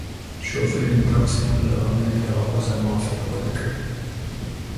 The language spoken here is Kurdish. Şofêrên taksiyan li Amedê daxwaza mafên xwe dikin.